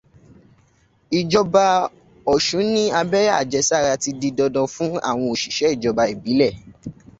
Ìjọba Ọ̀sun ní abẹ́rẹ́ àjẹsára ti di dandan fún àwọn òṣìṣẹ́ ìjọba ìbílẹ̀